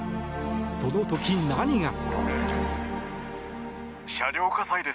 その時、何が。